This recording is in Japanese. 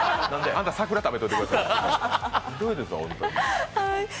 あんた、桜食べといてください、ホントに。